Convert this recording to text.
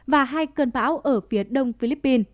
và hai cơn bão ở phía đông philippines